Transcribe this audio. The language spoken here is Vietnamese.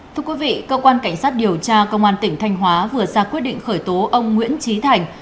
thưa quý vị cơ quan cảnh sát điều tra công an tỉnh thanh hóa vừa ra quyết định khởi tố ông nguyễn trí thành